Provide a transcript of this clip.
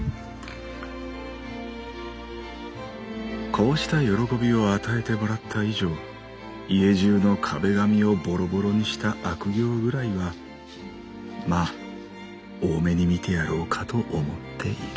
「こうした喜びを与えてもらった以上家中の壁紙をボロボロにした悪行ぐらいはまあ大目に見てやろうかと思っている」。